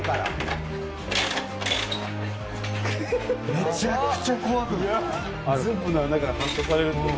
めちゃくちゃ怖くない？